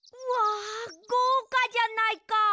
わあごうかじゃないか！